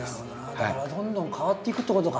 だからどんどん変わっていくってことか。